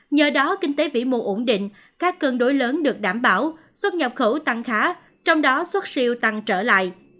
nhờ đó kinh tế vĩ mô ổn định các cân đối lớn được đảm bảo xuất nhập khẩu tăng khá trong đó xuất siêu tăng trở lại